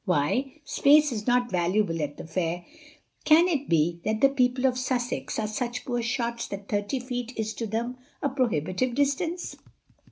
Why? Space is not valuable at the fair—can it be that the people of Sussex are such poor shots that thirty feet is to them a prohibitive distance?